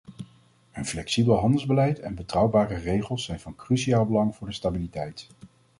Een flexibel handelsbeleid en betrouwbare regels zijn van cruciaal belang voor de stabiliteit.